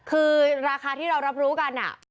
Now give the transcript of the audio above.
คือราคาที่เรารับรู้กัน